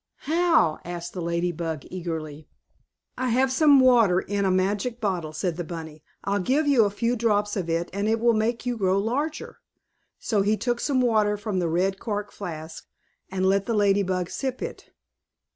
How?" asked the Lady Bug, eagerly. "I have here some water in a magic bottle," said the bunny. "I'll give you a few drops of it, and it will make you grow larger." So he took some water from the red corked flask, and let the Lady Bug sip it.